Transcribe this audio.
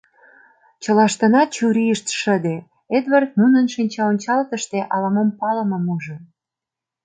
Чылаштынат чурийышт шыде; Эдвард нунын шинча ончалтыште ала-мом палымым ужо.